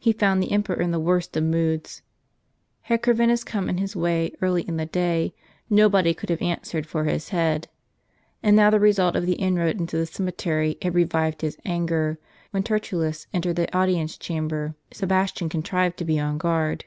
He found the emperor in the worst of moods. Had Corvinus come in his way early in the day, nobody could have answered for his head. And now the result of the inroad into the cemetery had revived his anger, when Tertullus entered into the audience chamber. Sebastian contrived to be on guard.